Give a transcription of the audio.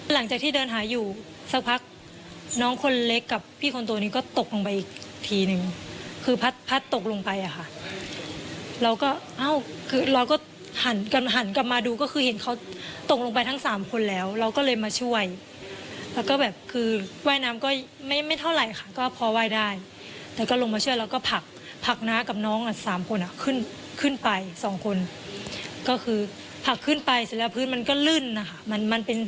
หลังจากที่เดินหาอยู่สักพักน้องคนเล็กกับพี่คนโตนี้ก็ตกลงไปอีกทีนึงคือพัดตกลงไปอ่ะค่ะเราก็เอ้าคือเราก็หันกลับมาดูก็คือเห็นเขาตกลงไปทั้งสามคนแล้วเราก็เลยมาช่วยแล้วก็แบบคือว่ายน้ำก็ไม่ไม่เท่าไหร่ค่ะก็พอว่ายได้แล้วก็ลงมาช่วยเราก็ผักผักหน้ากับน้องอ่ะสามคนอ่ะขึ้นขึ้นไปสองคนก็คือผั